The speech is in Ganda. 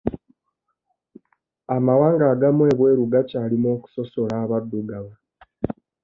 Amawanga agamu ebweru gakyalimu okusosola abaddugavu.